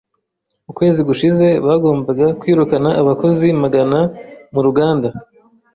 Ukwezi gushize, bagombaga kwirukana abakozi magana mu ruganda.